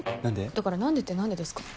だから何でって何でですか？